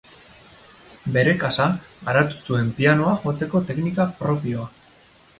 Bere kasa garatu zuen pianoa jotzeko teknika propioa.